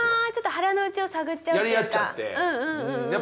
腹の内を探っちゃうというか。